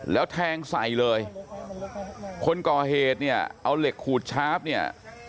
แล้วแทงใส่เลยคนก่อเหตุเนี่ยเอาเหล็กขูดชาร์ฟเนี่ย